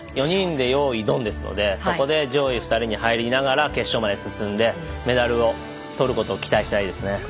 ４人で用意ドンですのでそこで上位２人に入りながら決勝まで進んでメダルを取ることを期待したいですね。